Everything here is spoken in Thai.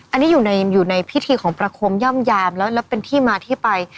อันนี้อยู่ในพิธีของประคมย่อมยามแล้วเป็นที่มาที่ไป